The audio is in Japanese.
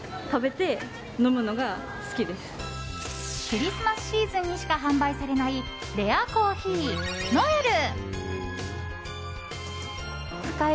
クリスマスシーズンにしか販売されないレアコーヒー、ノエル。